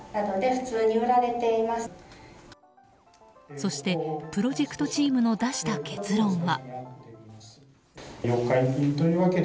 そして、プロジェクトチームの出した結論は。